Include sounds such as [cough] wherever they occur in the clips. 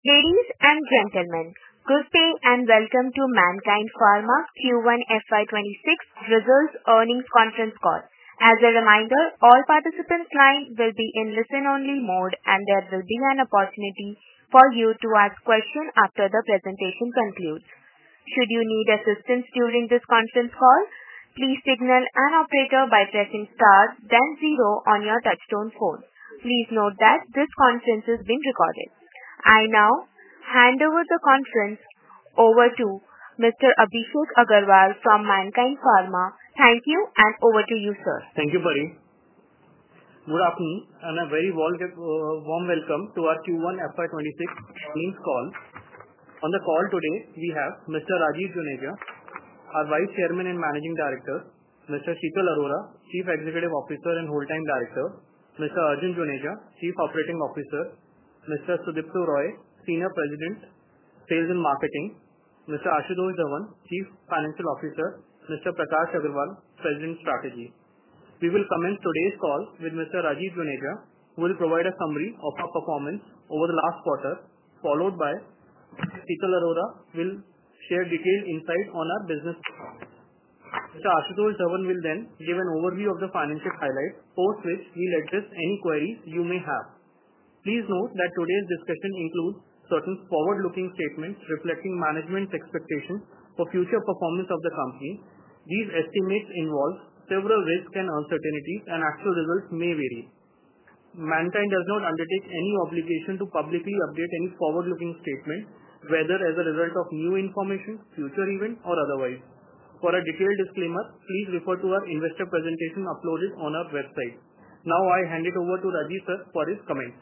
Ladies and gentlemen, good day and welcome to Mankind Pharma Q1 FY 2026 results earnings conference call. As a reminder, all participants' lines will be in listen-only mode and there will be an opportunity for you to ask questions after the presentation concludes. Should you need assistance during this conference call, please signal an operator by pressing star then zero on your touch-tone code. Please note that this conference is being recorded. I now hand over the conference to Mr. Abhishek Agarwal from Mankind Pharma. Thank you. Over to you, sir. Thank you, Pari. Good afternoon and a very warm welcome to our Q1 FY 2026 call. On the call today we have Mr. Rajeev Juneja, our Vice Chairman and Managing Director, Mr. Sheetal Arora, Chief Executive Officer and Whole Time Director, Mr. Arjun Juneja, Chief Operating Officer, Mr. Sudipta Roy, Senior President Sales and Marketing, Mr. Ashutosh Dhawan, Chief Financial Officer, and Mr. Prakash Agarwal, President Strategy. We will commence today's call with Mr. Rajeev Juneja who will provide a summary of our performance over the last quarter, followed by Sheetal Arora who will share detailed insight on our business performance. Mr. Ashutosh Dhawan will then give an overview of the financial highlights, post which he'll address any queries you may have. Please note that today's discussion includes certain forward-looking statements reflecting management's expectations for future performance of the company. These estimates involve several risks and uncertainties and actual results may vary. Mankind does not undertake any obligation to publicly update any forward-looking statement whether as a result of new information, future event, or otherwise. For a detailed disclaimer, please refer to our investor presentation uploaded on our website. Now I hand it over to Rajeev sir for his comments.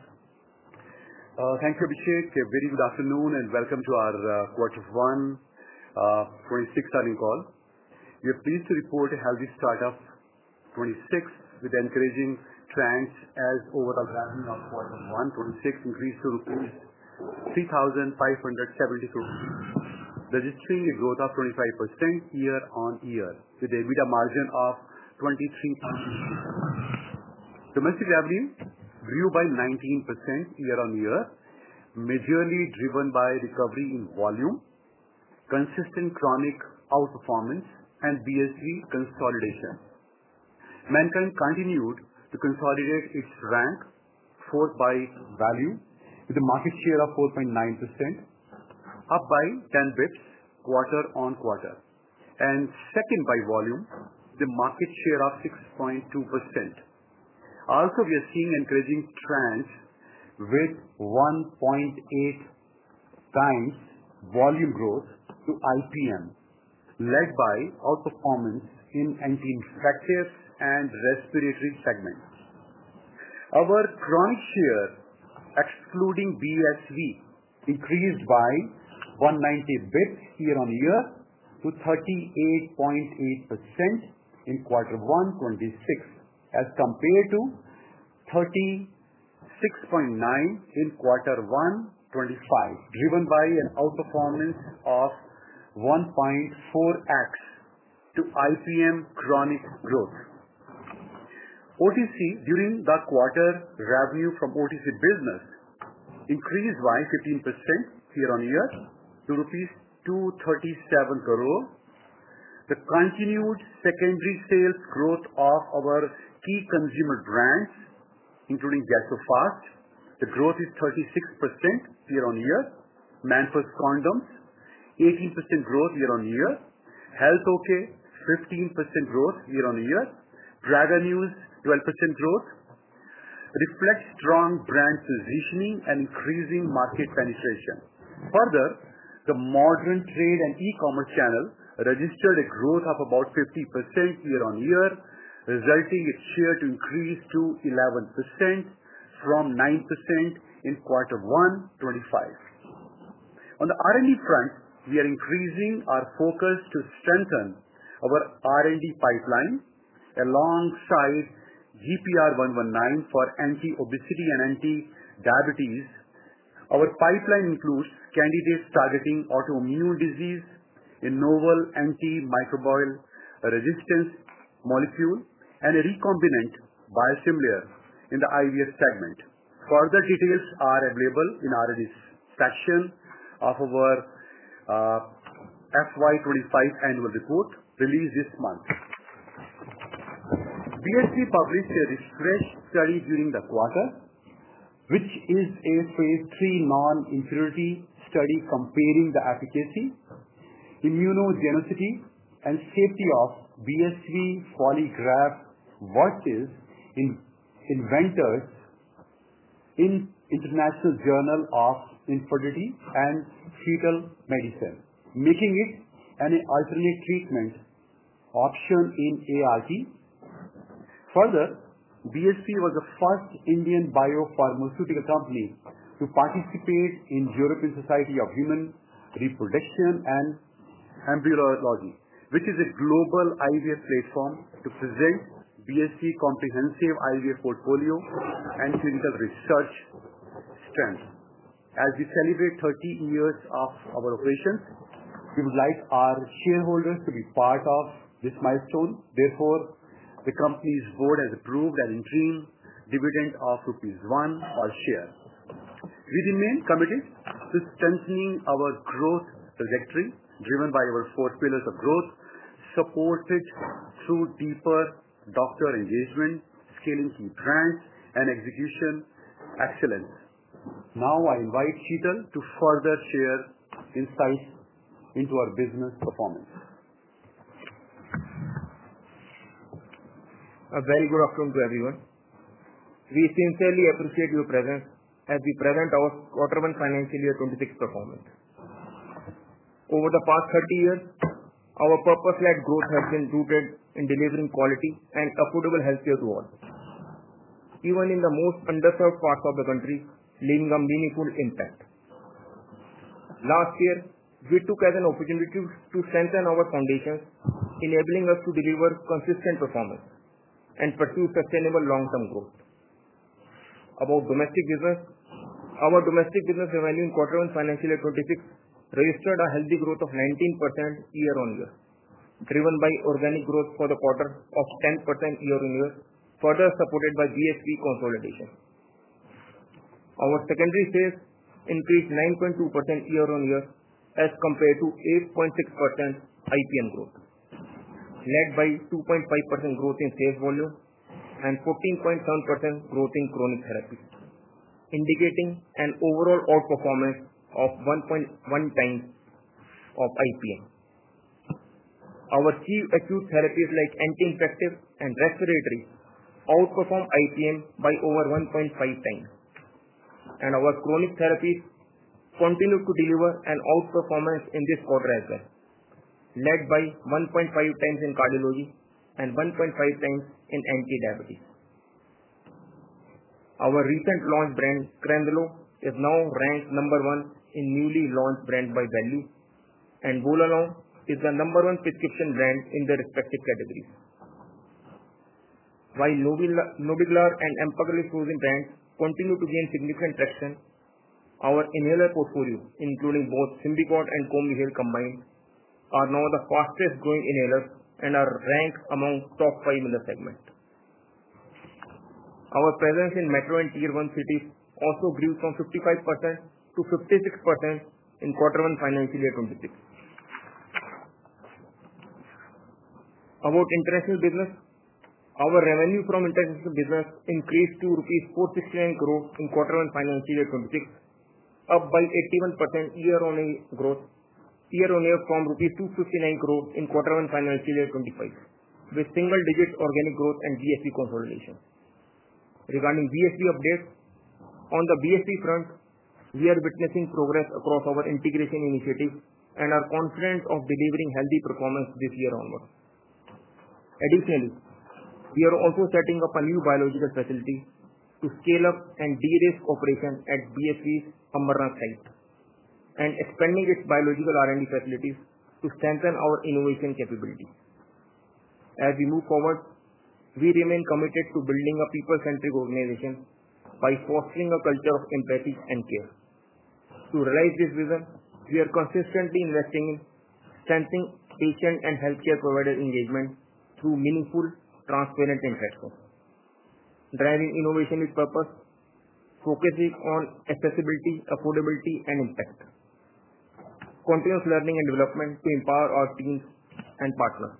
Thank you, Abhishek. A very good afternoon and welcome to our Quarter 1 2026 earnings call. We are pleased to report a healthy start to 2026 with encouraging trends as overall ramping of Quarter 1 2026 increased to rupees 3,570 crore, registering a growth of 25% year-on-year with EBITDA margin of 23%. Domestic revenue grew by 19% year-on-year, majorly driven by recovery in volume, consistent chronic outperformance, and BSV consolidation. Mankind continued to consolidate its rank by value with a market share of 4.9%, up by 10 bit quarter-on-quarter, and second by volume. The market share is 6.2%. Also, we are seeing encouraging trends with 1.8 volume growth to IPM led by outperformance in anti-infective and respiratory segments. Our chronic share excluding BSV increased by 190 bits year-on-year to 38.8% in Quarter 1 2026 as compared to 36.9% in Quarter 1 2025, driven by an outperformance of 1.4x to IPM. Chronic growth OTC during the quarter, revenue from OTC business increased by 15% year-on-year to rupees 237 crore. The continued secondary sales growth of our key consumer brands including Gas-O-Fast, the growth is 36% year-on-year. Manforce condoms 18% growth year-on-year, HealthOK 15% growth year-on-year, Prega News 12% growth reflects strong brand positioning and increasing market penetration. Further, the modern trade and e-commerce channel registered a growth of about 50% year-on-year, resulting in its share to increase to 11% from 9% in quarter 1 2025. On the R&D front, we are increasing our focus to strengthen our R&D pipeline alongside GPR119 for anti-obesity and anti-diabetes. Our pipeline includes candidates targeting autoimmune disease, a novel antimicrobial resistance molecule, and a recombinant biosimilar in the IVF segment. Further details are available in the R&D section of our FY 2025 annual report released this month. BSV published a refresh study during the quarter, which is a phase 3 non-inferiority study comparing the efficacy, immunogenicity, and safety of BSV Foligraf versus Innovent Biologics in International Journal of Infertility and Fetal Medicine, making it an alternate treatment option in ART. Further, BSV was the first Indian biopharmaceutical company to participate in European Society of Human Reproduction and Embryology, which is a global IVF platform, to present BSV's comprehensive IVF portfolio and clinical research strength. As we celebrate 30 years of our operations, we would like our shareholders to be part of this milestone. Therefore, the company's board has approved an interim dividend of rupees 1 per share. We remain committed to strengthening our growth trajectory driven by our four pillars of growth, supported through deeper doctor engagement, scaling key brands, and execution excellence. Now I invite Sheetal to further share insights into our business performance. A very good afternoon to everyone. We sincerely appreciate your presence as we present our quarter 1 financial year 2026 performance. Over the past 30 years, our purpose-led growth has been rooted in delivering quality and affordable healthcare to all, even in the most underserved parts of the country, leaving a meaningful impact. Last year, we took it as an opportunity to strengthen our foundations, enabling us to deliver consistent performance and pursue sustainable long-term growth. About Domestic Business: Our domestic business revenue in quarter 1 financial year 2026 registered a healthy growth of 19% year-on-year, driven by organic growth for the quarter of 10% year-on-year, further supported by BSV consolidation. Our secondary sales increased 9.2% year-on-year as compared to 8.6% IPM growth, led by 2.5% growth in sales volume and 14.7% growth in chronic therapy, indicating an overall outperformance of 1.1x of IPM. Our key acute therapies like anti-infective and respiratory outperformed IPM by over 1.5x, and our chronic therapies continued to deliver an outperformance in this quarter as well, led by 1.5x in cardiology and 1.5x in anti-diabetes. Our recent launch brand Crenzlo is now ranked number one in newly launched brands by value, and Vonalong is the number one prescription brand in their respective categories, while Nobeglar and Empagliflozin brands continue to gain significant traction. Our inhaler portfolio, including both Symbicort and Combihale combined, are now the fastest growing inhalers and are ranked among the top five in the segment. Our presence in metro and tier one cities also grew from 55% to 56% in quarter one financial year 2026. About international business, our revenue from international business increased to 469 crore rupees in quarter one financial year 2026, up by 81% year-on-year from INR 259 crore in quarter one financial year 2025, with single-digit organic growth and BSV consolidation. Regarding BSV, updates on the BSV front, we are witnessing progress across our integration initiative and are confident of delivering healthy performance this year onward. Additionally, we are also setting up a new biological facility to scale up and de-risk operation at BSV's Ambernath site and expanding its biological R&D facilities to strengthen our innovation capabilities. As we move forward, we remain committed to building a people-centric organization by fostering a culture of empathy and care. To realize this vision, we are consistently investing in strengthening patient and healthcare provider engagement through meaningful, transparent impact, driving innovation with purpose, focusing on accessibility, affordability, and impact, and continuous learning and development to empower our teams and partners.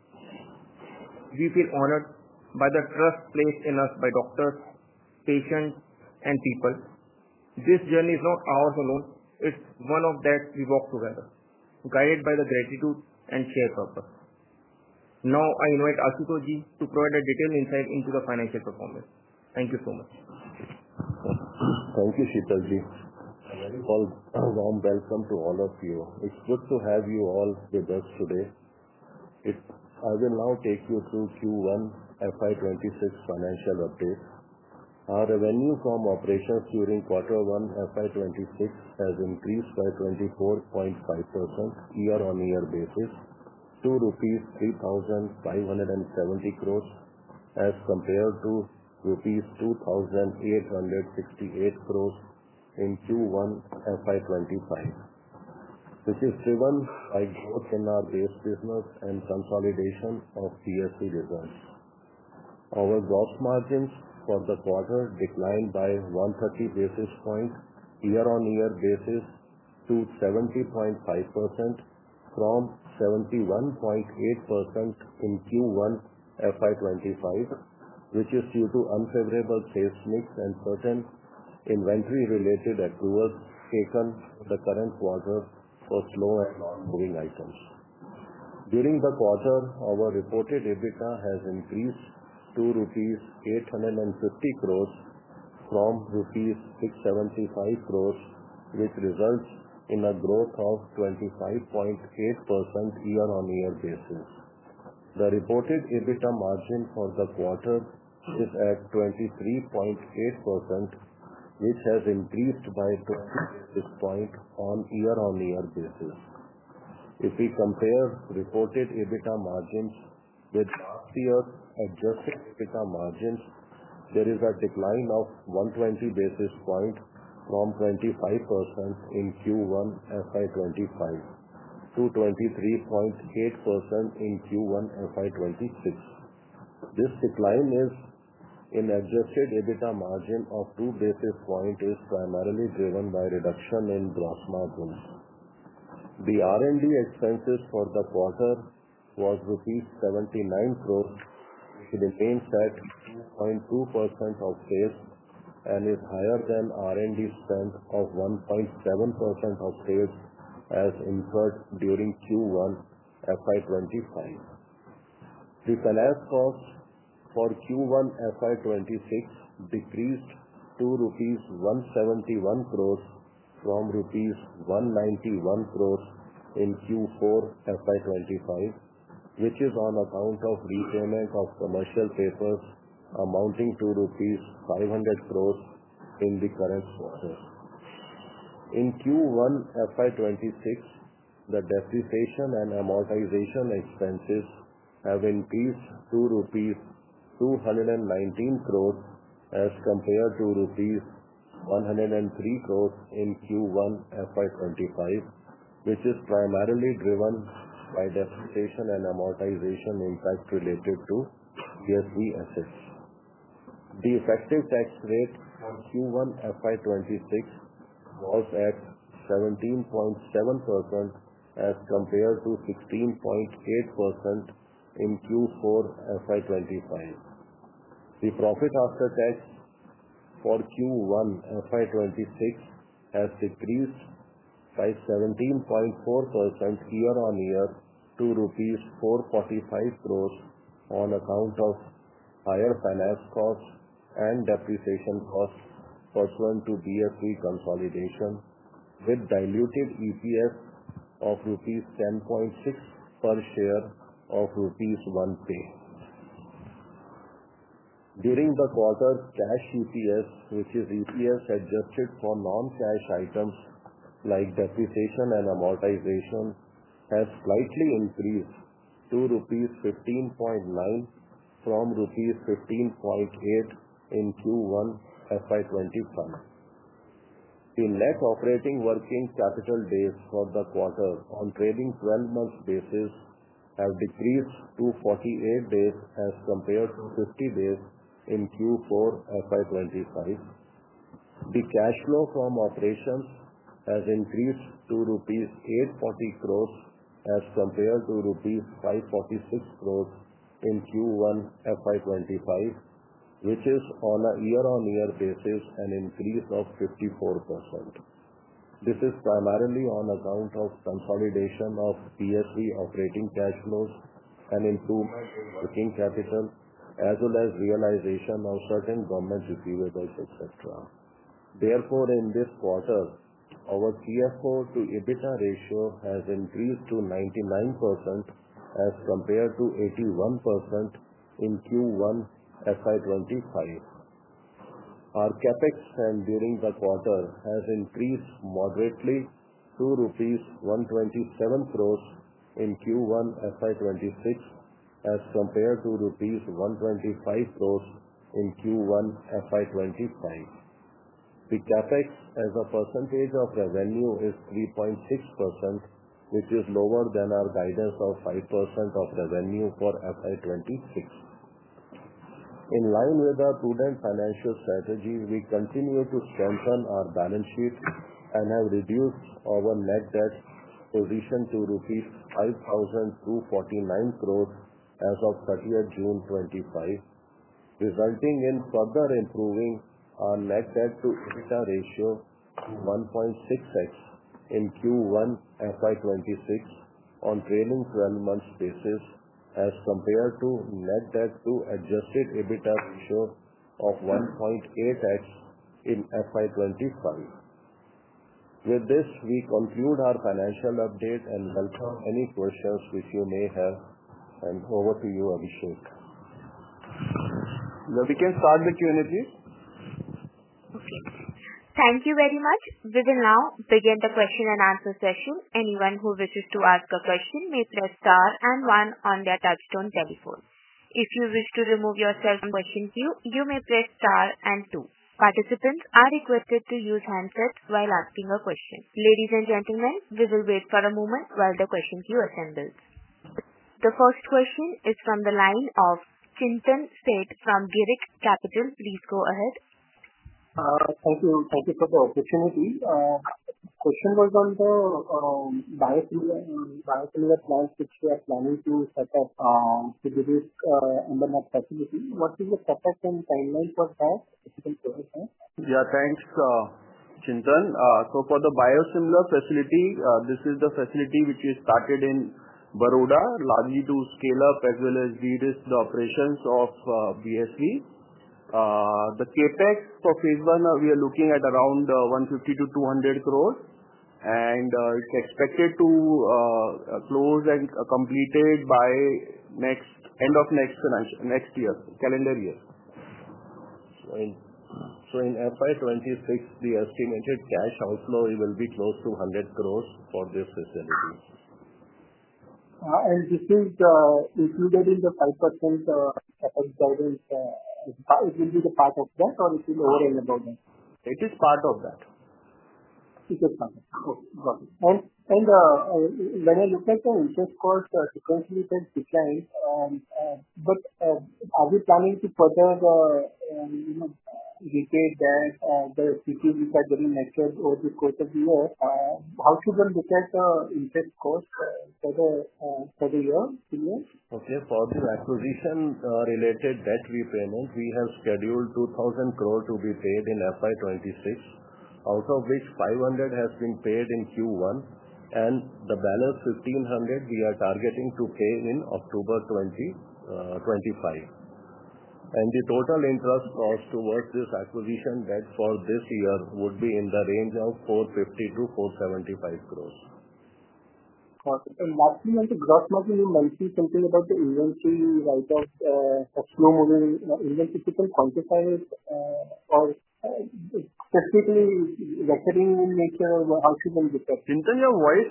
We feel honored by the trust placed in us by doctors, patients, and people. This journey is not ours alone, it's one that we work together, guided by gratitude and shared purpose. Now I invite Ashutoshji to provide a detailed insight into the financial performance. Thank you so much. Thank you Sheetalji, a very warm welcome to all of you. It's good to have you all with us today. I will now take you through Q1 FY 2026 financial updates. Our revenue from operations during quarter one FY 2026 has increased by 24.5% year-on-year basis to rupees 3,570 crore as compared to rupees 2,868 crore in Q1 FY 2025, which is driven by growth in our base business and consolidation of BSV results. Our gross margins for the quarter declined by 130 basis points year-on-year basis to 70.5% from 71.8% in Q1 FY 2025, which is due to unfavorable sales mix and certain inventory related accruals taken in the current quarter for slow and non-moving items. During the quarter, our reported EBITDA has increased to rupees 850 crore from rupees 675 crore, which results in a growth of 25.8% year-on-year basis. The reported EBITDA margin for the quarter is at 23.8%, which has increased by 20 basis points on year-on-year basis. If we compare reported EBITDA margins with last year's adjusted EBITDA margins, there is a decline of 120 basis points from 25% in Q1 FY 2025 to 23.8% in Q1 FY 2026. This decline in adjusted EBITDA margin of [2] basis points is primarily driven by reduction in gross margins. The R&D expenses for the quarter was INR 79 crore, remains at 2.2% of sales and is higher than R&D spend of 1.7% of sales as incurred during Q1 FY 2025. The finance cost for Q1 FY 2026 decreased to rupees 171 crore from rupees 191 crore in Q4 FY 2025, which is on account of repayment of commercial papers amounting to rupees 500 crore in the current quarter. In Q1 FY 2026, the depreciation and amortization expenses have increased to rupees 219 crore as compared to rupees 103 crore in Q1 FY 2025, which is primarily driven by depreciation and amortization impact related to BSV. The effective tax rate for Q1 FY 2026 was at 17.7% as compared to 16.8% in Q4 FY 2025. The profit after tax for Q1 FY 2026 has decreased by 17.4% year-on-year to 445 crore rupees on account of higher finance costs and depreciation costs pursuant to BSV consolidation with diluted EPS of 10.6 rupees per share of 1 rupee paid during the quarter. Cash EPS, which is EPS adjusted for non-cash items like depreciation and amortization, has slightly increased to rupees 15.9 from rupees 15.8 in Q1 FY 2025. The net operating working capital days for the quarter on trailing 12 months basis have decreased to 48 days as compared to 50 days in Q4 FY 2025. The cash flow from operations has increased to rupees 840 crore as compared to rupees 546 crore in Q1 FY 2025, which is on a year-on-year basis an increase of 54%. This is primarily on account of consolidation of BSV operating cash flows and improved working capital as well as realization of certain government receivables etc. Therefore, in this quarter our CFO to EBITDA ratio has increased to 99% as compared to 81% in Q1 FY 2025. Our CapEx spend during the quarter has increased moderately to INR 127 crore in Q1 FY 2026 as compared to INR 125 crore in Q1 FY 2025. The CapEx as a percentage of revenue is 3.6% which is lower than our guidance of 5% of revenue for FY 2026. In line with our prudent financial strategy, we continue to strengthen our balance sheet and have reduced our net debt position to rupees 5,249 crore as of 30th June 2025, resulting in further improving our net debt to EBITDA ratio to 1.6x in Q1 FY 2026 on a trailing twelve months basis as compared to net debt to adjusted EBITDA of 1.8x in FY 2025. With this we conclude our financial update and welcome any questions which you may have. Over to you, Abhishek. We can start the Q&A. Okay, thank you very much. We will now begin the question and answer session. Anyone who wishes to ask a question may press star and one on their touchstone telephone. If you wish to remove yourself from the question queue, you may press star and two. Participants are requested to use handsets while asking a question. Ladies and gentlemen, we will wait for a moment while the question queue assembles. The first question is from the line of Chintan Sheth from Girik Capital. Please go ahead. Thank you. Thank you for the opportunity. Question was on the biosimilar plant which we are planning to set up. [Ambernath facility. What is the CapEx and timeline for that? If you can share that?] Yeah, thanks Chintan. For the biosimilar facility, this is the facility which is started in Baroda largely to scale up as well as redis the operations of BSV. The capEx for phase one, we are looking at around 150 to 200 crore, and it's expected to close and be completed by end of next financial year. Next year, calendar year. In FY 2026, the estimated cash outflow will be close to INR 100 crore for this facility, and this is included in the 5%. [CapEx guidance] It will be the part of that or it will over and above that. It is part of that. It is. When I look at the interest cost sequencing decline, are we planning to further dictate that the [CCGs] are getting matured over the course of the year? How should we look at interest cost for the year? For the acquisition related debt repayment, we have scheduled 2,000 crore to be paid in FY 2026, out of which 500 crore has been paid in Q1, and the balance 1,500 crore we are targeting to pay in October 2025. The total interest cost towards this acquisition debt for this year would be in the range of 450-475 crore. Lastly, on the gross margin, you mentioned something about the inventory write off, slow moving inventory. If you can quantify it or [audio distortion] your voice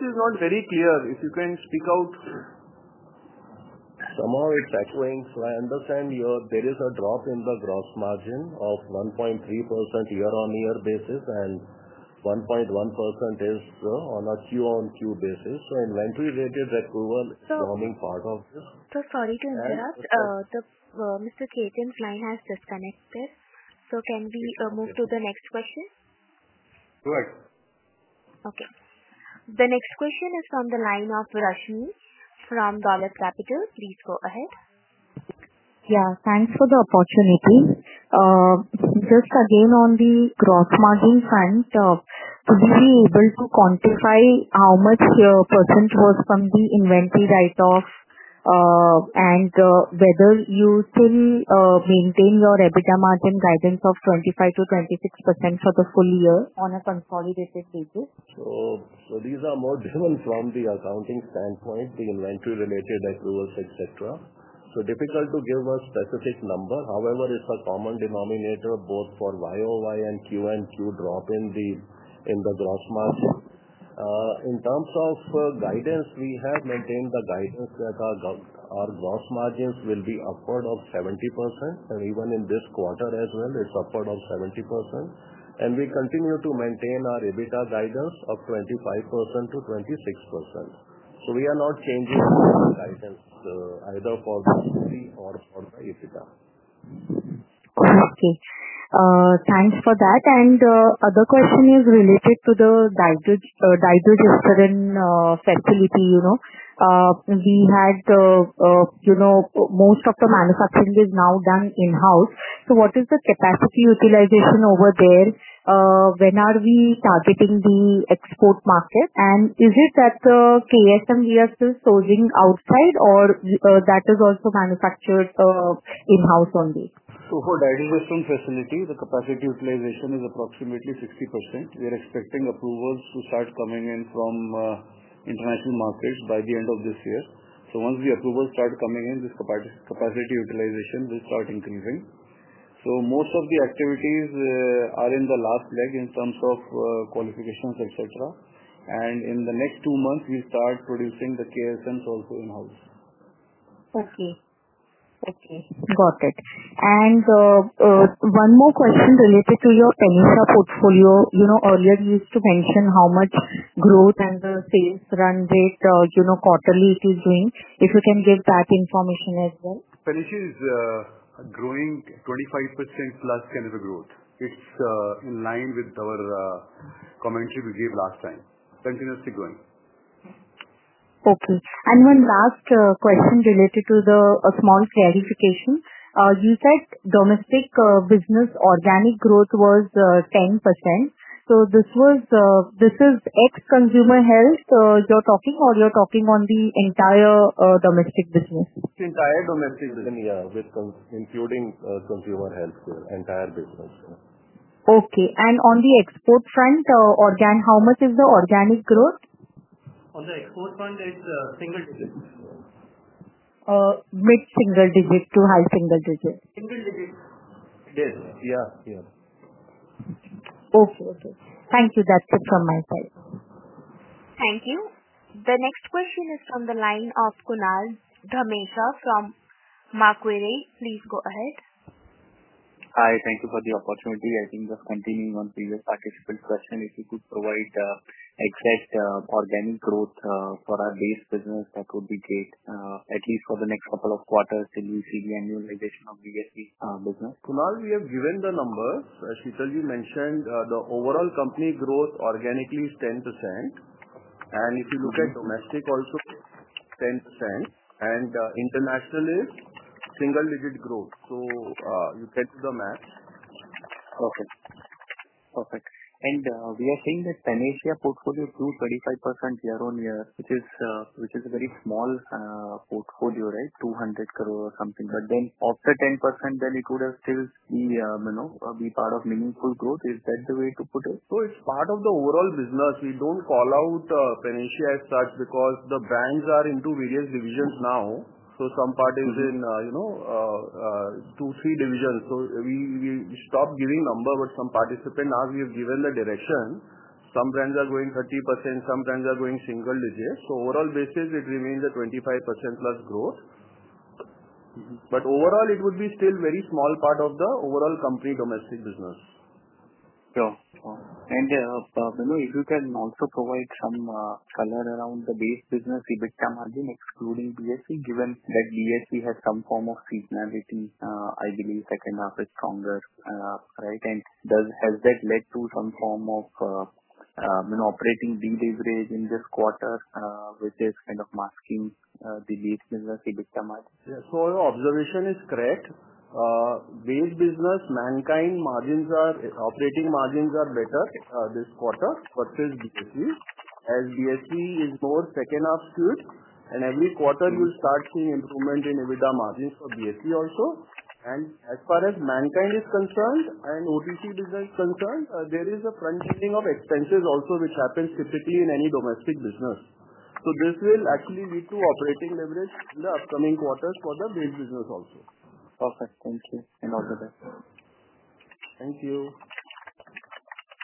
is not very clear, if you can speak out, somehow it's echoing. I understand there is a drop in the gross margin of 1.3% year-on-year basis and 1.1% is on a Q-on-Q basis. Inventory rated accrual is a forming part of this. Mr. Chintan's line has disconnected. Can we move to the next question? Good. Okay, the next question is from the line of [Rashmi] from Dollar Capital. Please go ahead. Yeah, thanks for the opportunity. Just again on the gross margin front, would you be able to quantify how much your percent was from the inventory write off and whether you still maintain your EBITDA margin guidance of 25% -26% for the full year on a consolidated basis. These are more driven from the accounting standpoint. The inventory related accruals, etc. Difficult to give a specific number. However, it's a common denominator both for YoY and Q-on-Q drop in the gross margin. In terms of guidance, we have maintained the guidance that our gross margins will be upward of 70% and even in this quarter as well it's upward of 70%. We continue to maintain our EBITDA guidance of 25%-26%. We are not changing guidance either for the gross margin or for the EBITDA. Okay, thanks for that. The other question is related to the dietary Dydrogesterone facility. Most of the manufacturing is now done in house. What is the capacity utilization over there? When are we targeting the export market, and is it that the KSM we are still sourcing outside or is that also manufactured in house only? For the Dydrogesterone facility, the capacity utilization is approximately 60%. We are expecting approvals to start coming in from international markets by the end of this year. Once the approvals start coming in, this capacity utilization will start increasing. Most of the activities are in the last leg in terms of qualifications, etc., and in the next two months we start producing the KSM also in house. Okay, got it. One more question related to your Panacea portfolio. You know earlier you used to mention how much growth and the sales run rate, you know, quarterly it is doing. If you can give that information as well. Panacea is growing 25%+ kind of a growth. It's in line with our commentary we gave last time, continuously growing. Okay. One last question related to a small clarification. You said domestic business organic growth was 10%. Is this ex consumer health you're talking about, or are you talking about the entire domestic business? Entire domestic business including consumer health care, entire business. Okay. On the export front, how much is the organic growth on the export front? It's single digit. Mid single digit to high single [single] digit. Okay. Okay, thank you. That's it from my side. Thank you. The next question is from the line of Kunal Dhamesha from Macquarie. Please go ahead. Hi. Thank you for the opportunity. I think just continuing on previous participant question. If you could provide exact organic growth for our base business, that would be great. At least for the next couple of quarters till we see the annualization of BSV business. Now we have given the numbers Sheetalji mentioned. The overall company growth organically is 10% and if you look at domestic also 10% and international is single digit growth. You get to the math. Okay, perfect. We are seeing that Panacea portfolio grew 25% year-on-year, which is a very small portfolio. Right. 200 crore something. After 10% then it would have still be, you know, be part of meaningful growth. Is that the way to put it? It's part of the overall business. We don't call out Panacea as such because the brands are into various divisions now. Some part is in, you know, two, three divisions. We stopped giving number but some participant now we have given the direction. Some brands are going 30%, sometimes they are going single division. On overall basis it remains a 25%+ growth. Overall it would be still very small part of the overall company domestic business. Sure. If you can also provide some color around the base business EBITDA margin excluding BSV. Given that BSV has some form of seasonality, I believe second half is stronger. Right. Has that led to some form of operating deleverage in this quarter which is kind of masking the base business EBITDA margin? Your observation is correct. Base business Mankind margins are operating margins are better this quarter versus BSV as BSV is more second half skewed. Every quarter you will start seeing improvement in EBITDA margins for BSV also. As far as Mankind is concerned, OTC business concerned, there is a front ending of expenses also which happens typically in any domestic business. This will actually lead to operating leverage in the upcoming quarters for the base business also. Perfect. Thank you and all the best. Thank you.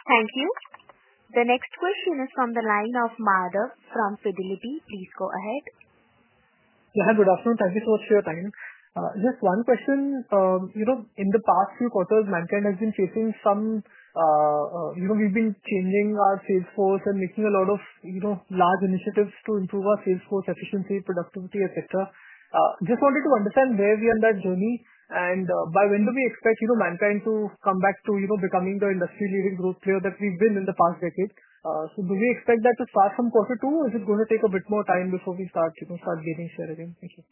Thank you. The next question is from the line of Madhav from Fidelity. Please go ahead. Good afternoon. Thank you so much for your time. Just one question. In the past few quarters Mankind has been facing some. We've been changing our sales force and making a lot of large initiatives to improve our sales force, efficiency, productivity, etc. Just wanted to understand where we are on that journey and by when do we expect Mankind to come back to becoming the industry leading growth player that we've been in the past decade? Do we expect that to start from quarter two or is it going to take a bit more time before we start gaining share again? Thank you.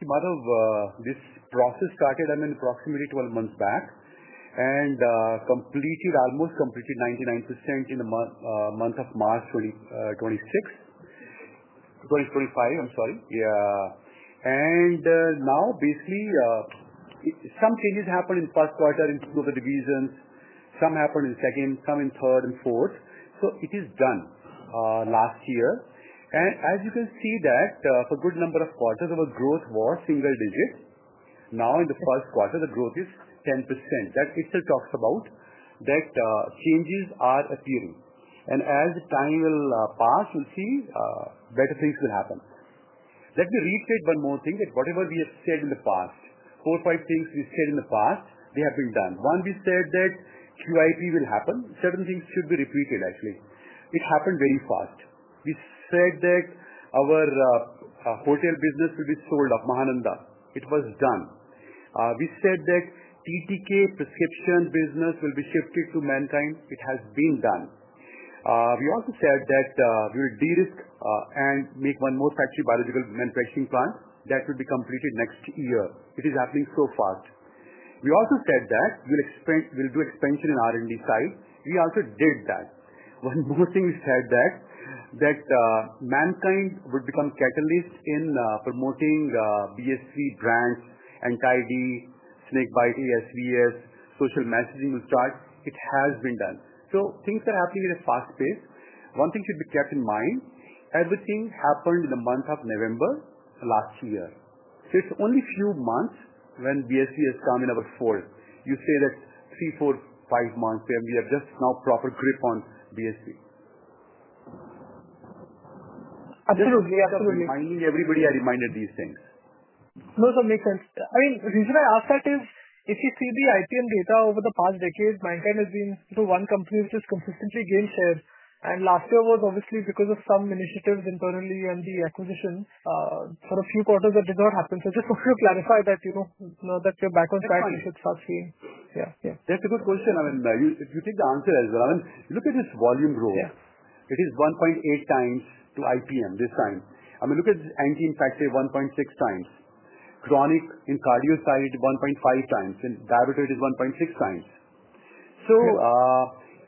This process started approximately 12 months back and completed, almost completed, 99% in the month of March 2025. I'm sorry. Yeah. Now basically some changes happen in first quarter in two of the divisions. Some happened in second, some in third and fourth. It is done last year. As you can see, for good number of quarters our growth was single digit. Now in the first quarter the growth is 10%. That itself talks about that changes are appearing and as time will pass, you'll see better things will happen. Let me restate one more thing that whatever we have said in the past, four, five things we said in the past, they have been done. one. We said that QIP will happen. Certain things should be repeated. Actually it happened very fast. We said that our hotel business will be sold. Mahananda, it was done. We said that TTK prescription business will be shifted to Mankind. It has been done. We also said that we will de-risk and make one more factory, biological manufacturing plant, that would be completed next year. It is happening so fast. We also said that we'll do expansion in R&D side. We also did that. One more thing. We said that Mankind would become catalyst in promoting BSV brands, Anti-D, Snakebite, ASVS, social messaging will start. It has been done. Things are happening at a fast pace. One thing should be kept in mind. Everything happened in a month of November last year. It's only few months when BSV has come in our fold. You say that three, four, five months. We are just now proper grip on BSV. Absolutely, absolutely. Everybody are reminded these things. No, that makes sense. I mean the reason I ask that is if you see the IPM data over the past decade, Mankind has been one company which has consistently gained share. Last year was obviously because of some initiatives internally and the acquisitions for a few quarters that did not happen. I just wanted to clarify that, you know, now that we're back on track, you should start seeing. Yeah, that's a good question. I mean, if you take the answer as well, look at this volume growth. It is 1.8x to IPM this time. Look at [anti-infective], 1.6x. Chronic in cardio side, 1.5x, and diabetes is 1.6x.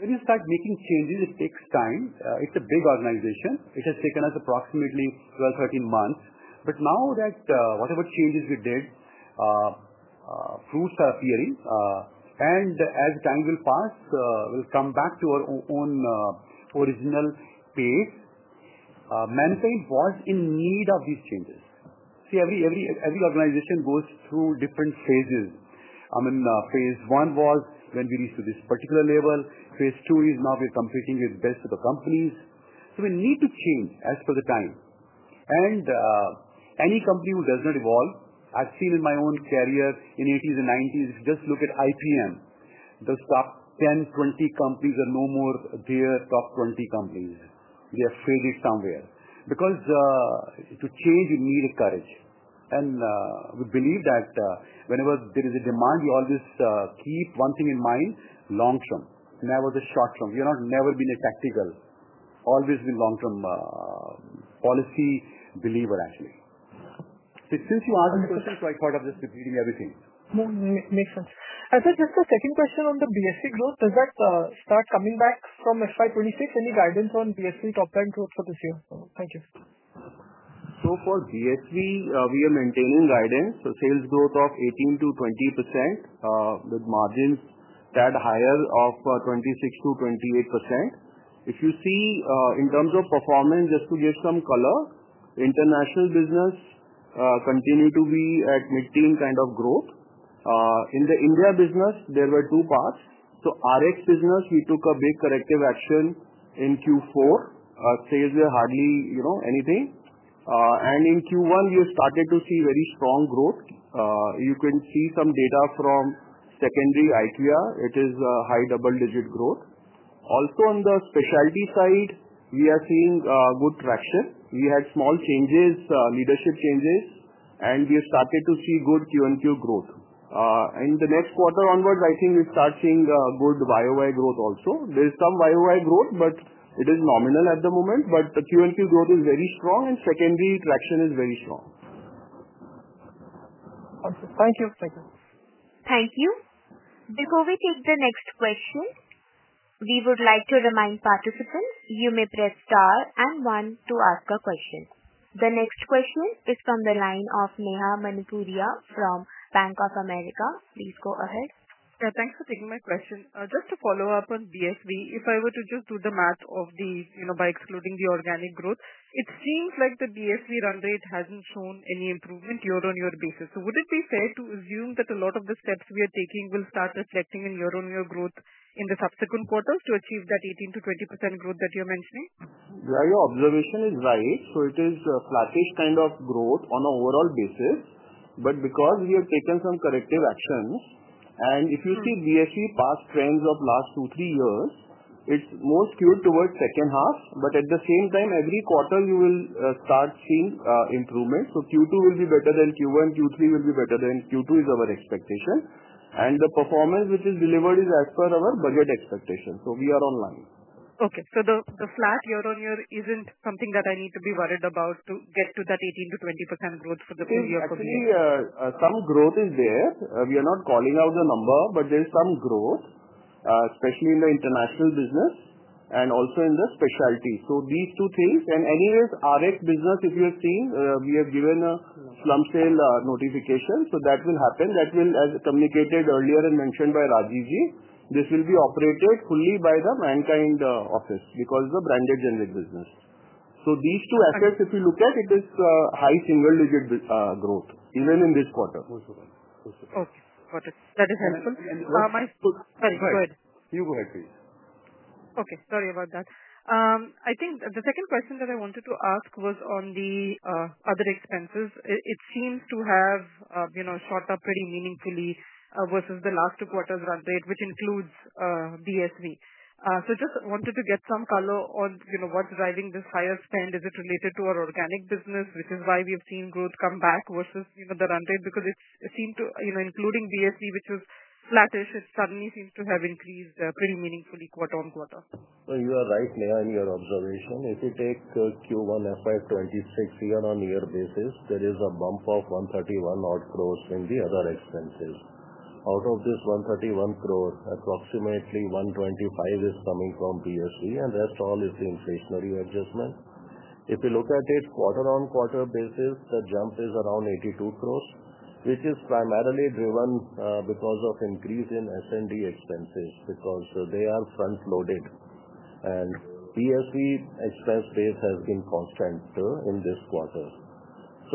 When you start making changes, it takes time. It's a big organization. It has taken us approximately 12, 13 months. Now that whatever changes we did, fruits are appearing, and as time will pass, we'll come back to our own original pace. Mankind was in need of these changes. Every organization goes through different phases. Phase one was when we reached to this particular level. Phase two is now we're competing with best of the companies. We need to change as per the time. Any company who does not evolve, I've seen in my own career in 1980s and 1990s, just look at IPM. Those top 10, 20 companies are no more their top 20 companies. They are filled it somewhere. To change you need courage. We believe that whenever there is a demand you always keep one thing in mind. Long term, never the short term. You have not never been a tactical, always been long term policy believer. Actually, since you asked me question, I thought of just repeating everything. Makes sense. Just the second question on the BSV growth is that start coming back from FY 2026. Any guidance on BSV top line growth for this year? Thank you. and Vaccines (BSV), we are maintaining guidance. Sales growth of 18%-20% with margins at the higher end of 26%-28%. If you see in terms of performance, just to give some color, international business continues to be at mid-teen kind of growth. In the India business, there were two parts. The Rx business, we took a big corrective action. In Q4, sales were hardly anything. In Q1, we have started to see very strong growth. You can see some data from secondary ITR. It is high double-digit growth. Also, on the specialty side, we are seeing good traction. We had small changes, leadership changes, and we have started to see good Q-on-Q growth. In the next quarter onwards, I think we start seeing good YoY growth. Also, there is some YoY growth, but it is nominal at the moment. The Q-on-Q growth is very strong, and secondary traction is very strong. Thank you. Thank you. Before we take the next question, we would like to remind participants, you may press Star and one to ask a question. The next question is from the line of Neha Manpuria from Bank of America. Please go ahead. Thanks for taking my question. Just to follow up on BSV, if I were to just do the math of the, you know, by excluding the organic growth, it seems like the BSV run rate hasn't shown any improvement year-on-year basis. Would it be fair to assume that a lot of the steps we are taking will start reflecting in year-on-year growth in the subsequent quarters to achieve that 18%-20% growth that you're mentioning. Your observation is right. It is flattish kind of growth on an overall basis. Because we have taken some corrective actions and if you see BSV past trends of last two, three years, it's more skewed towards the second half. At the same time, every quarter you will start seeing improvements. Q2 will be better than Q1, Q3 will be better than. Q2 is our expectation and the performance which is delivered is as per our budget expectations. We are online. Okay. The flat year-on-year isn't something that I need to be worried about to get to that 18%-20% growth for the full year. Actually some growth is there. We are not calling out the number, but there is some growth, especially in the international business and also in the specialty. These two things. Anyways, Rx business, if you have seen, we have given a slum sale notification. That will happen, as communicated earlier and mentioned by Rajeev Ji. This will be operated fully by the Mankind office because of the branded generic business. These two assets, if you look at it, is high single digit growth even in this quarter. Okay, got it. That is helpful. You go ahead, please. Okay. Sorry about that. I think the second question that I wanted to ask was on the other expenses. It seems to have shot up pretty meaningfully versus the last two quarters run rate, which includes BSV. Just wanted to get some color on what's driving this higher spend. Is it related to our organic business? Which is why we have seen growth come back versus the run rate. Because it seemed to, including BSV which is flattish, it suddenly seems to have increased pretty meaningfully quarter-on-quarter. You are right Neha in your observation. If you take Q1 FY 2026 year-on-year basis, there is a bump of 131 crore in the other expenses. Out of this 131 crore, approximately 125 crore is coming from BSV and the rest is the inflationary adjustment. If you look at it quarter-on-quarter basis, the jump is around 82 crore, which is primarily driven because of increase in S&D expenses because they are front loaded. BSV expense base has been constant in this quarter.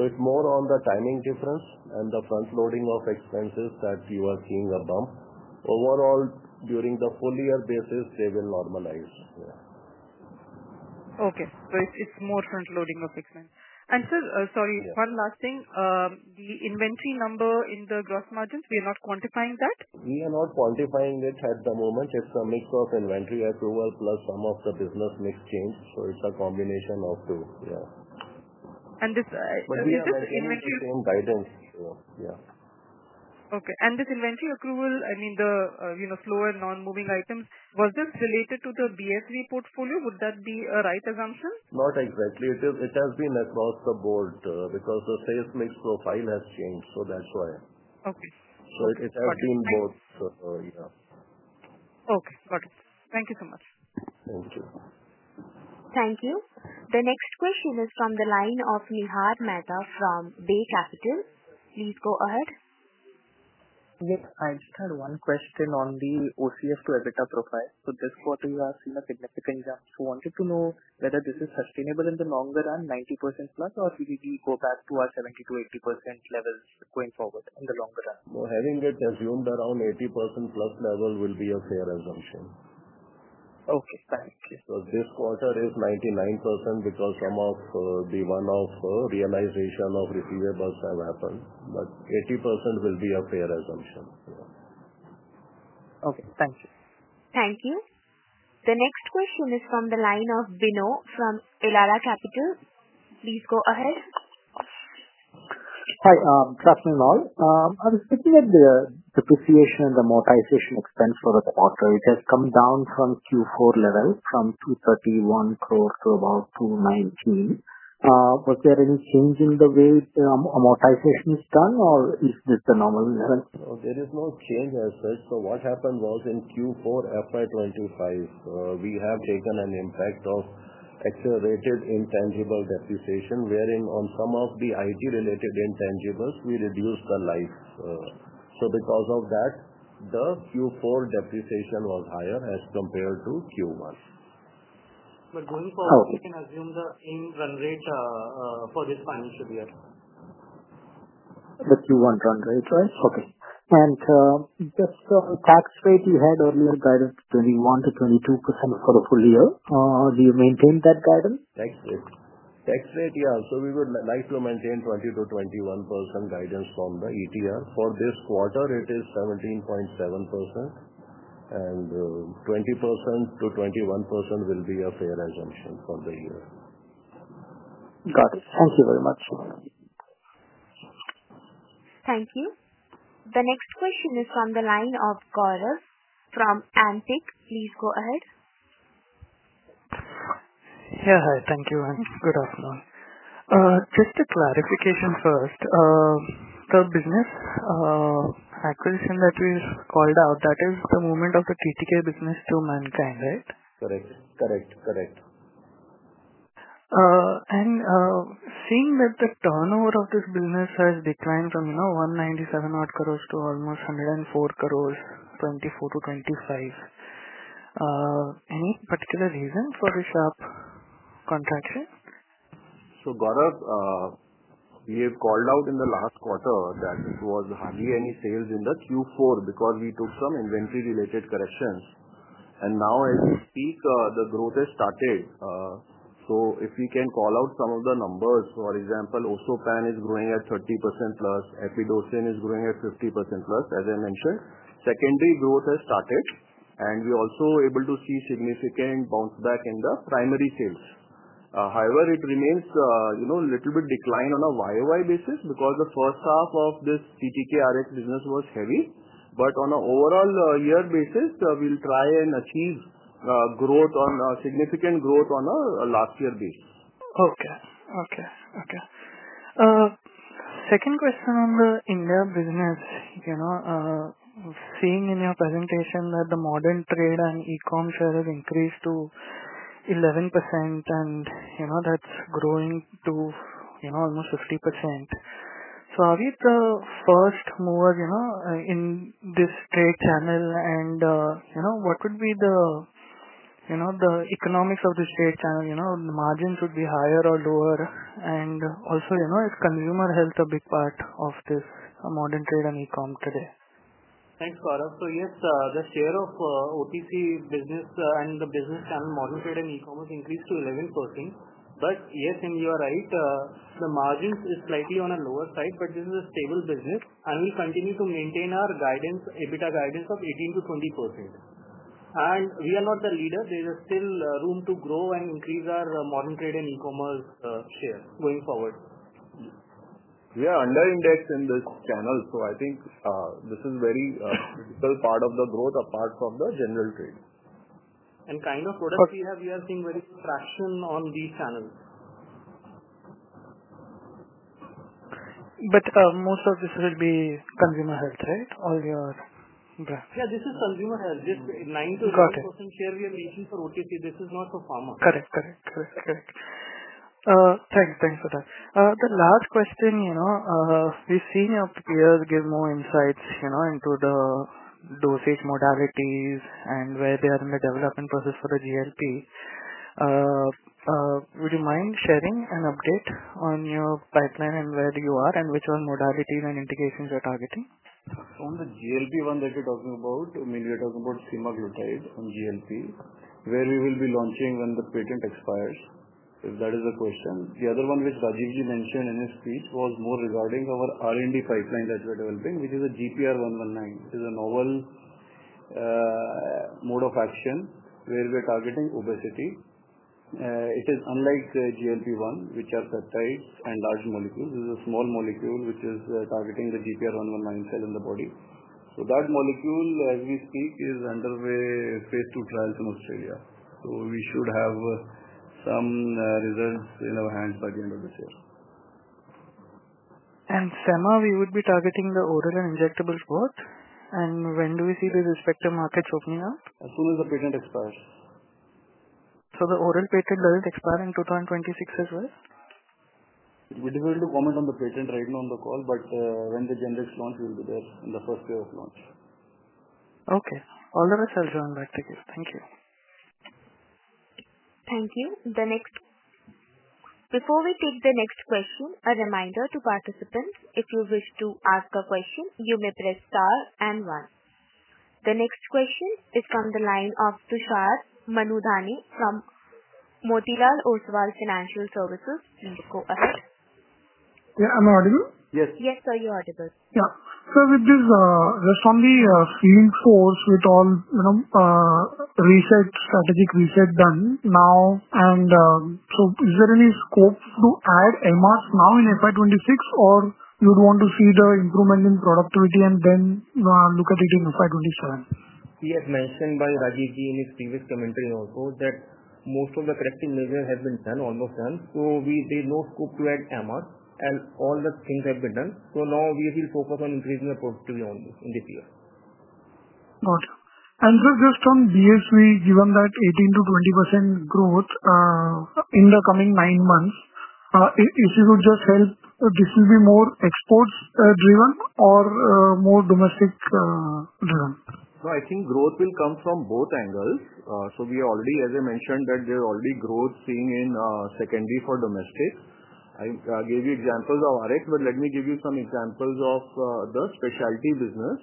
It's more on the timing difference and the front loading of expenses that you are seeing a bump overall. During the full year basis, they will normalize here. Okay, it's more front loading of expense. Sir, sorry, one last thing. The inventory number in the gross margins, we are not quantifying that. We are not quantifying it at the moment. It's a mix of inventory accruals plus some of the business mix change. It's a combination of two. Yeah. This inventory. Yeah. Okay. This inventory accrual, I mean the slow and not moving items, was this related to the BSV portfolio? Would that be a right assumption? Not exactly. It is. It has been across the board because the sales mix profile has changed. That's why. It has been both. Okay, got it. Thank you so much. Thank you. Thank you. The next question is from the line of Nihar Mehta from Bay Capital. Please go ahead. I just had one question on the. OCF to EBITDA profile. This quarter you have seen a significant jump. I wanted to know whether this is sustainable in the longer run, 90%+. Will we go back to our 70%-80% level going forward in the longer run? Having it assumed around 80% plus level will be a fair assumption. Okay, thank you. This quarter is 99% because some of the 1% of realized receivables have happened. 80% will be a fair assumption. Okay, thank you. Thank you. The next question is from the line of Bino from Elara Capital. Please go ahead. Hi, good afternoon all. I was looking at the depreciation and. Amortization expense for the quarter. It has come down from Q4 level from 231 crore to about 219 crore. Was there any change in the way? Amortization is done or is this the normal? There is no change as such. What happened was in Q4 FY 2025 we have taken an impact of accelerated intangible depreciation, wherein on some of the IT-related intangibles we reduced the life. Because of that, the Q4 depreciation was higher as compared to Q1. Going forward, you can assume the run rate for this item should be at the Q1 run rate. Right. Okay. Just tax rate, you had earlier. Guidance 21%-22% for a full year. Do you maintain that guidance tax rate? Yeah. We would like to maintain 20%-21% guidance from the ETR. For this quarter it is 17.7%, and 20%-1% will be a fair assumption for the year. Got it. Thank you very much. Thank you. The next question is from the line of Gaurav from Antique. Please go ahead. Hi. Thank you. Good afternoon. Just a clarification. The business acquisition that we called out, that is the movement of the KTK business to Mankind, right? Correct. Correct. Correct. Seeing that the turnover of this business has declined from, you know, 197 crore to almost 104 crore, 2024-2025. Any particular reason for the sharp contraction? Gaurav, we have called out in the last quarter that there was hardly any sales in Q4 because we took some inventory-related corrections. Now as we speak, the growth has started. If we can call out some of the numbers, for example, Ossopan is growing at 30%+, Epidosin is growing at 50%+. As I mentioned, secondary growth has started and we are also able to start significant bounce back in the primary sales. However, it remains a little bit declined on a YoY basis because the first half of this TTK Rx business was heavy. On an overall year basis, we'll try and achieve significant growth on a last year basis. Okay. Second question on the India business. You know, seeing in your presentation that the modern trade and e-com share have increased to 11% and you know that's growing to almost 50%. Are we the first mover in this trade channel and what would be the economics of this trade channel? You know, the margins would be higher or lower and also, is convenience, consumer health a big part of this modern trade and e-com today? Thanks, Gaurav. Yes, the share of OTC business and the business channel, modern trade and e-commerce, increased to 11%. Yes, you are right, the margins are slightly on the lower side, but this is a stable business and we continue to maintain our guidance, EBITDA guidance of 18%-20%. We are not the leader. There is still room to grow and increase our modern trade and e-commerce share going forward. We are under-indexed in this channel. I think this is a very critical part of the growth. Apart from the general trade and the kind of products we have, we are seeing very good traction on these channels. Most of this will be consumer health, right? All your brand. Yeah, this is consumer 9%11% share. We are reaching for OTC. This is not for pharma. Correct, correct. Thanks. Thanks for that. The last question, you know we've seen your peers give more insights, you know, into the dosage modalities and where they are in the development process for the GLP. Would you mind sharing an update on your pipeline and where you are and which modalities and indications on the. GLP-1 that you're talking about? I mean we are talking about semaglutide on GLP where we will be launching when the patent expires. If that is the question. The other one which Rajeev Ji mentioned in his speech was more regarding our R&D pipeline that we are developing, which is a GPR119. It is a novel mode of action where we are targeting obesity. It is unlike GLP-1, which are the two and large molecules. This is a small molecule which is targeting the GPR119 cell in the body. That molecule, as we speak, is underway phase II trials in Australia. We should have some results in our hands by the end of this year. We would be targeting the oral and injectables both. When do we see the respective markets opening up? As soon as the patent expires. The oral patent doesn't expire in 2026 as well. It will be difficult to comment on the patent right now on the call. When the generics launch, it will be there on the first day of launch. Okay, all the ways I'll turn back to you. Thank you. Thank you. Before we take the next question, a reminder to participants if you wish to ask a question you may press star and 1one. The next question is from the line of Tushar Manudhane from Motilal Oswal Financial Services. Am I audible? Yes. Yes sir, you're audible. With this rest on the field force, with all reset, strategic reset done now, is there any scope to add MRs now in FY 2026 or you would want to see the improvement in productivity and then look at it in FY 2027. He has mentioned by Rajeev Ji in his previous commentary also that most of the corrective measures have been done, almost done. There is no scope to add MRs and all the things have been done. Now we will focus on increasing the productivity on this in this year. Gotcha. Sir, just on BSV, given that 18%-20% growth in the coming nine months, if you would just help, this will be more exports driven or more domestic driven? I think growth will come from both angles. I already, as I mentioned, that there is already growth seen in secondary for domestic. I gave you examples of Rx, but let me give you some examples of the specialty business.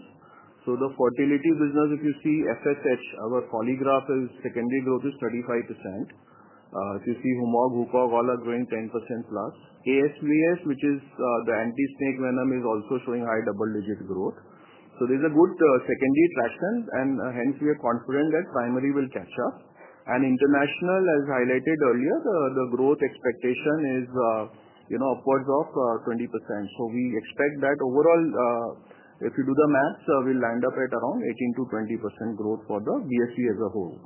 The fertility business, if you see FSH, our Foligraf is secondary dose is 35%. If you see Humog, Hucog, all are growing 10%+. ASVS, which is the anti snake venom, is also showing high double-digit growth. There's a good secondary traction, and hence we are confident that primary will catch up. International, as highlighted earlier, the growth expectation is upwards of 20%. We expect that overall, if you do the math, we'll land up at around 18%-20% growth for the BSV prescription business as a whole.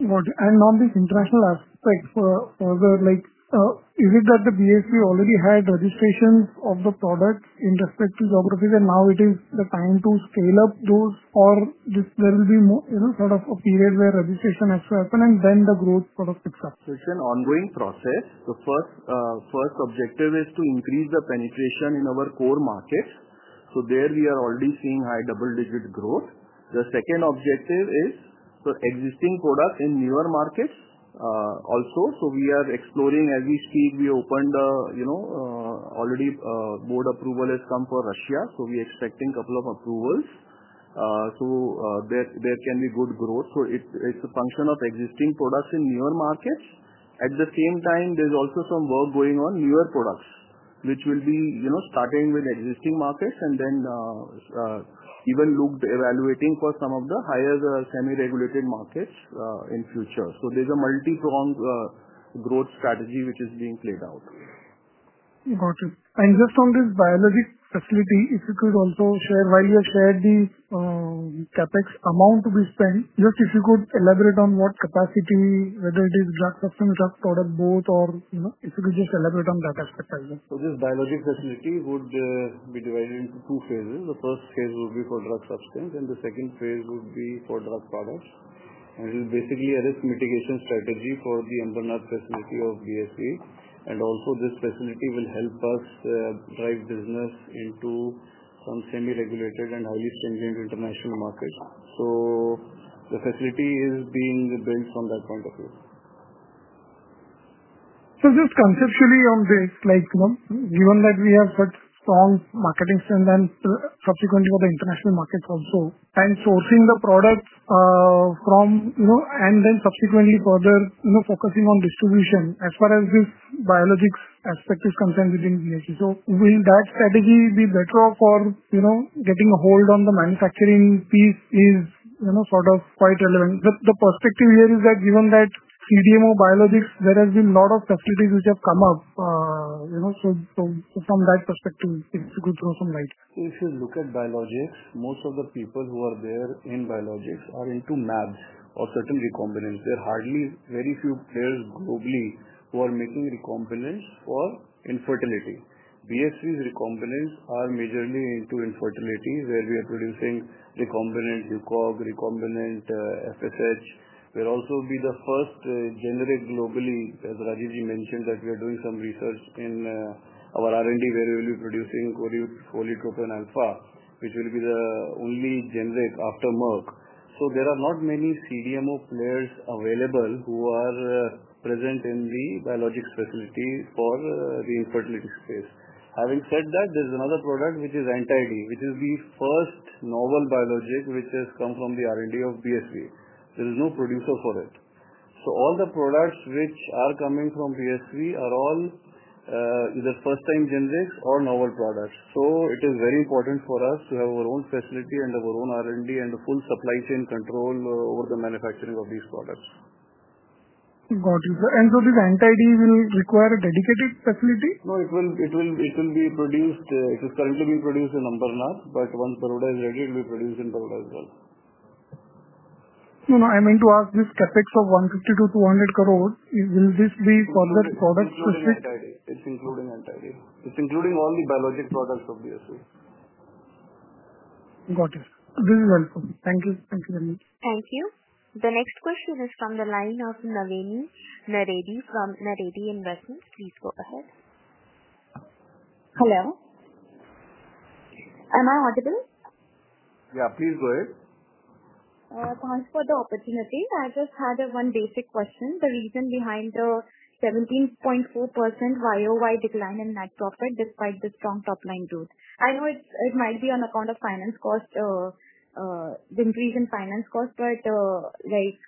On this international aspect further, is it that the BSV already had registrations of the products in respect to geographies and now it is the time to scale up those, or will there be a period where registration has to happen and then the growth picks up? It's an ongoing process. The first objective is to increase the penetration in our core markets. There we are already seeing high double-digit growth. The second objective is existing products in newer markets also. We are exploring as we speak; already board approval has come for Russia, so we are expecting a couple of approvals. There can be good growth. It's a function of existing products in newer markets. At the same time, there's also some work going on with newer products, which will be starting with existing markets and then even evaluating for some of the higher semi-regulated markets in the future. There's a multi-pronged growth strategy which is being played out. Got it. Just on this biologics facility, if you could also share, while you shared the CapEx amount to be spent, if you could elaborate on what capacity, whether it is drug substance, drug product, both, or if you could just elaborate on that aspect as well. This biologics facility would be divided into two phases. The first phase would be for drug substance, and the second phase would be for drug products. It is basically a risk mitigation strategy for the Ambernath facility of BSV. Also, this facility will help us drive business into some semi-regulated and highly stringent international markets. The facility is being built from that point of view. Just conceptually on this, given that we have such strong marketing strength and subsequently for the international markets also, and sourcing the products from, you know, and then subsequently further focusing on distribution as far as this biologics aspect is concerned within BSV. Will that strategy be better for, you know, getting a hold on the manufacturing piece is, you know, sort of quite relevant. The perspective here is that given that CDMO biologics, there has been a lot of facilities which have come up, you know, so from that perspective it could throw some light. If you look at biologics, most of the people who are there in biologics are into MABS or certain recombinants. There are hardly very few players globally who are making recombinants for infertility. BSV's recombinants are majorly into infertility where we are producing recombinant Hucog, recombinant FSH. We'll also be the first generic globally. As Rajeev Ji mentioned that we are doing some research in our R&D where we will be producing follitropin Alpha which will be the only generic after Merck. There are not many CDMO players available who are present in the biologics facility for the infertility space. There is another product which is Anti-D which is the first novel biologic which has come from the R&D of BSV. There is no producer for it. All the products which are coming from BSV are all either first time generics or novel products. It is very important for us to have our own facility and our own R&D and the full supply chain control over the manufacturing of these products. Got you, sir. This Anti-D will require a dedicated facility, no? It will be produced. It is currently being produced in Ambernath. Once Baroda is ready, it will be produced in Baroda as well. No, no, I mean to ask this CapEx of 150- 200 crore. Will this be further product. Including all the biologic products of BSV. Got it. Very welcome. Thank you. Thank you very much. Thank you. The next question is from the line of Navani Naredi from Naredi Investments. Please go ahead. Hello. Am I audible? Yeah, please go ahead. Thanks for the opportunity. I just had one basic question. The reason behind the 17.4% YoY decline in net profit despite the strong top line growth. I know it might be on account of finance cost, increase in finance cost. Will we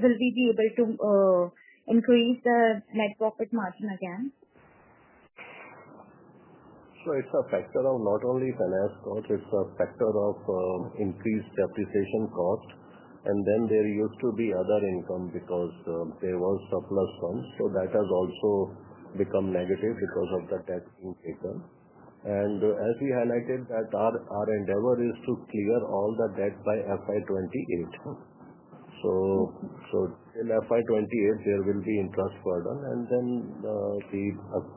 be able to increase the net profit margin again? It is a factor of not only finance cost, it is a factor of increased depreciation cost. There used to be other income because there were surplus funds. That has also become negative because of the debt income. As we highlighted, our endeavor is to clear all the debt by FY 2028. In FY 2028 there will be interest burden and then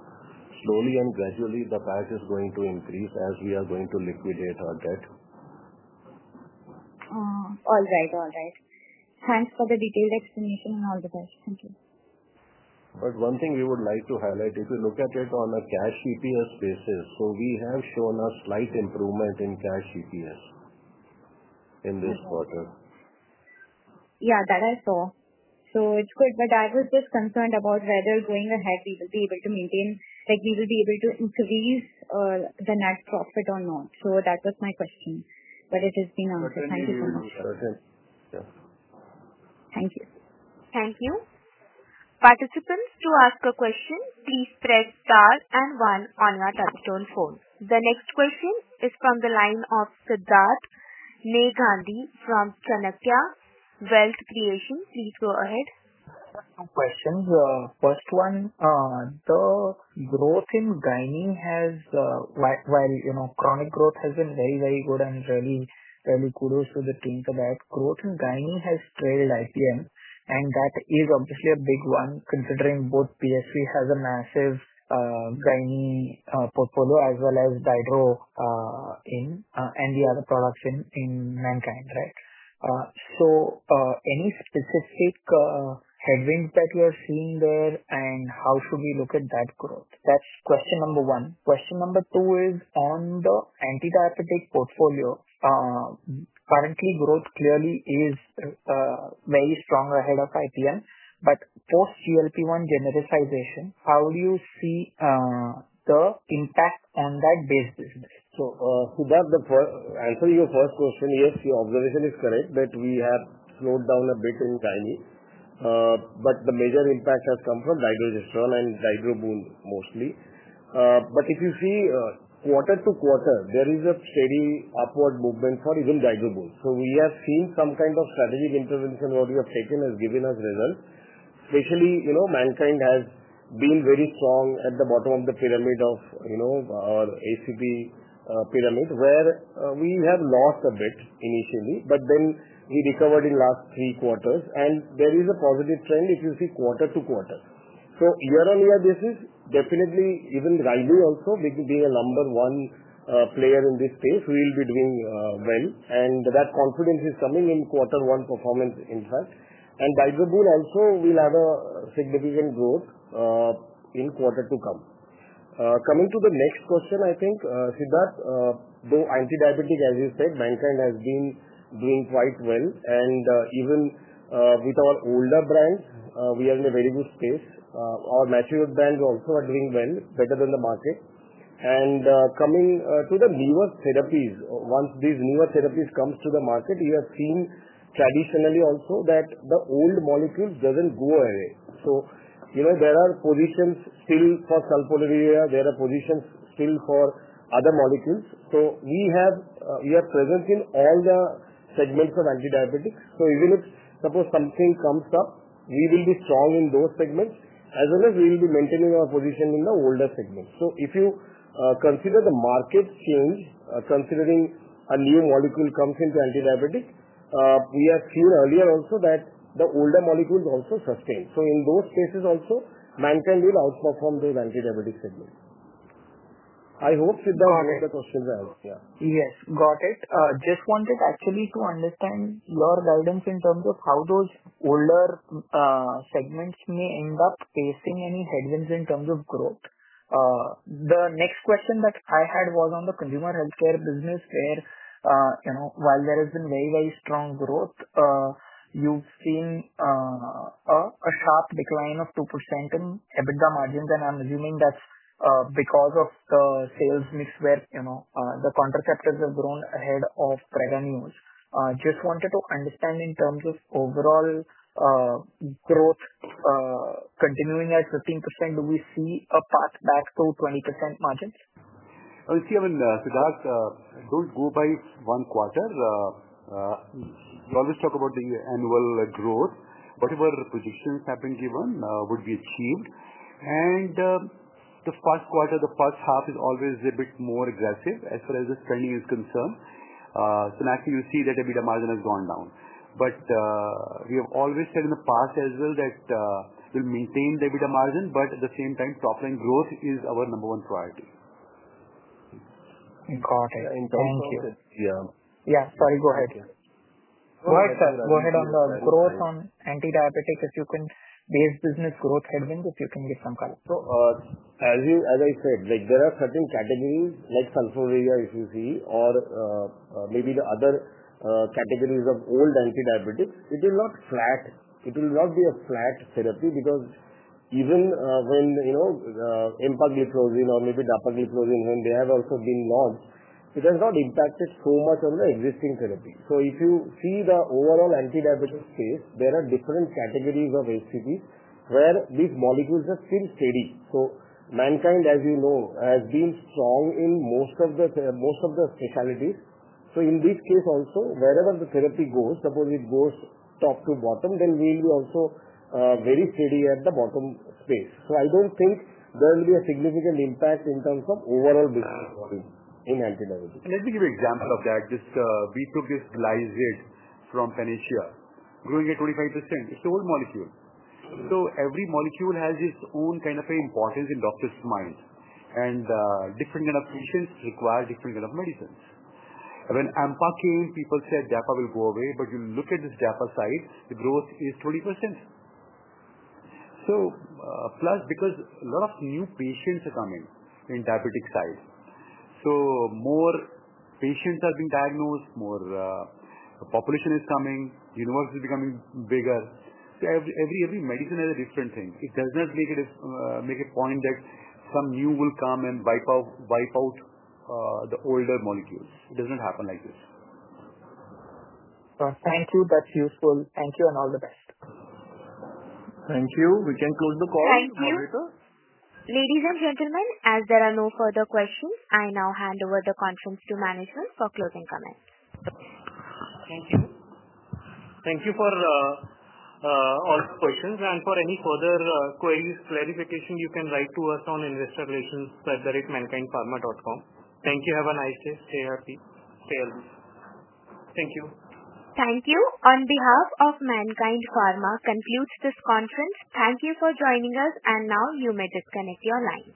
slowly and gradually the PAT is going to increase as we are going to liquidate our debt. All right. Thanks for the detailed explanation and all the best. Thank you. One thing we would like to highlight, if you look at it on a cash EPS basis, we have shown a slight improvement in cash EPS in this quarter. Yeah, that I saw. It's good. I was just concerned about whether going ahead we will be able to maintain, like we will be able to increase the net profit or not. That was my question, but it has been answered. Thank you so much. Thank you. Thank you. Participants, to ask a question please press star and one on your touchstone phone. The next question is from the line of Sidharth Negandhi from Chanakya Wealth Creation. Please go ahead. Two questions. First one, the growth in Gynae has, while you know, chronic growth has been very, very good and really, really kudos to the team for that. Growth in Gynae has trailed IPM, and that is obviously a big one considering both BSV has a massive Gynae portfolio as well as dydro. and the other products in Mankind. Right. Any specific headwinds that you are seeing there and how should we look at that growth? That's question number one. Question number two is on the anti-diabetic portfolio. Currently, growth clearly is very strong ahead of IPM. Post GLP-1 genericization, how do you see the impact on that base business? Sidharth, to answer your first question, yes, your observation is correct that we have slowed down a bit in Chinese, but the major impact has come from Dydrogesterone and Dydroboon mostly. If you see quarter to quarter, there is a steady upward movement for even Dydroboon. We have seen some kind of strategic intervention. What we have taken has given us results. Especially, you know, Mankind has been very strong at the bottom of the pyramid of our ACP pyramid where we have lost a bit initially, but then we recovered in the last three quarters, and there is a positive trend if you see quarter to quarter. Year-on-year, this is definitely even railing. Also, being a number one player in this space, we will be doing well, and that confidence is coming in quarter one performance, in fact, and Dydroboon also will have significant growth in the quarter to come. Coming to the next question, I think Sidharth, though anti-diabetic, as you said, Mankind has been doing quite well, and even with our older brands, we are in a very good space. Our mature brands also are doing well, better than the market, and coming to the levous therapies. One thing, these newer therapies come to the market. We have seen traditionally also that the old molecules don't go away. There are positions still for Sulfonylurea, there are positions still for other molecules. We are present in all the segments of anti-diabetics. Even if something comes up, we will be strong in those segments as well as we will be maintaining our position in the older segments. If you consider the market change, considering a new molecule comes into anti-diabetic, we have seen earlier also that the older molecules also sustain. In those cases also, Mankind will outperform those antidiabetic segments. I hope. Sidharth, yes, got it. Just wanted to actually understand your guidance in terms of how those older segments may end up facing any headwinds in terms of growth. The next question that I had was on the consumer healthcare business where, while there has been very, very strong growth, you've seen a sharp decline of 2% in EBITDA margins. I'm assuming that's because of the sales mix where the contraceptives have grown ahead of Prega News. Just wanted to understand, in terms of overall growth continuing at 15%, do we see a path back to 20% margins? Sidharth, don't go by one quarter. We always talk about the annual growth. Whatever projections have been given would be achieved. The first quarter, the first half is always a bit more aggressive as far as the spending is concerned. Naturally, you see that EBITDA margin has gone down. We have always said in the past as well that we'll maintain the EBITDA margin, but at the same time, top line growth is our number one priority. Got it. Thank you. Yeah, sorry. Go ahead, sir, go ahead on the growth on anti-diabetic, if you can, base business growth headwinds, if you can give some color. As I said, there are certain categories like Sulfonylurea, if you see, or maybe the other categories of old antidiabetics, it is not flat, it will not be a flat therapy because even when empagliflozin or maybe dapagliflozin, when they have also been launched, it has not impacted so much on the existing therapy. If you see the overall antidiabetes phase, there are different categories of HCPs where these molecules are still steady. Mankind, as you know, has been strong in most of the specialties. In this case also, wherever the therapy goes, suppose it goes top to bottom, we will be also very steady at the bottom space. I don't think there will be a significant impact in terms of overall business volume in antidiabetes. Let me give an example of that. We took this Glizid from Panacea growing at 25%, it's the old molecule. Every molecule has its own kind of importance in doctor's mind, and different kind of patients require different kind of medicines. When Empa came, people said Dapa will go away. You look at this DAPA side, the growth is 20%.+, because a lot of new patients are coming in diabetic side, more patients are being diagnosed, more population is coming, universe is becoming bigger. Every medicine has a different thing. It does not make a point that some new will come and wipe out the older molecules. It doesn't happen like this. Thank you, that's useful. Thank you and all the best. Thank you. We can close the call. Thank you. Ladies and gentlemen, as there are no further questions, I now hand over the conference to management for closing comments. Thank you. Thank you for all questions and for any further queries or clarification. You can write to us on investor relations. Thank you. Have a nice day. Stay healthy. Thank you. Thank you. On behalf of Mankind Pharma, this concludes this conference. Thank you for joining us. You may now disconnect your line.